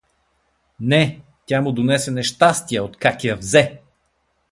Не, тя му донесе нещастия, откак я взе!